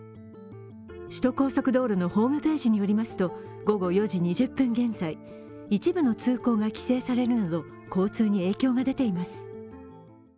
首都高速道路のホームページによりますと、午後４時２０分現在一部の通行が規制されるなど交通に影響が出ています。